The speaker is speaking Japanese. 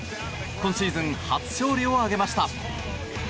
今シーズン初勝利を挙げました。